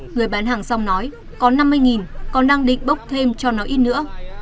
người bán hàng rong nói có năm mươi còn đang định bốc thêm cho nó ít nữa